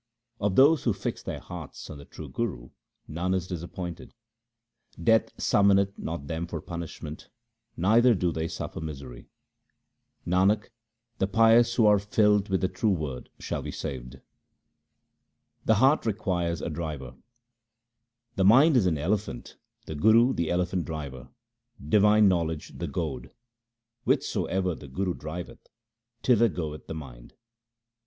Of those who fix their hearts on the true Guru none is disappointed. Death summoneth not them for punishment, neither do they suffer misery. Nanak, the pious who are filled with the ixue Word shall be saved. The heart requires a driver :— The mind is an elephant, the Guru the elephant driver, divine knowledge the goad ; whithersoever the Guru driveth, thither goeth the mind.